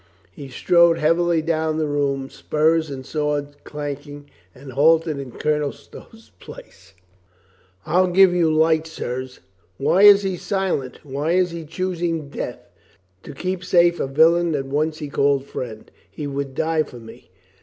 He strode heavily down the room, spurs and sword clanking, and halt ed in Colonel Stow's place. "I'll give you light, sirs. Why is he silent? Why is he choosing death? To keep safe a villain that once he called friend. He would die for me.